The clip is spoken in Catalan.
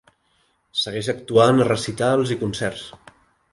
Segueix actuant a recitals i concerts.